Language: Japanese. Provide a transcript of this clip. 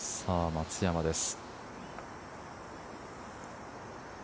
松山です。